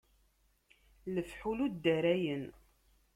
Lefḥul ur ddarayen.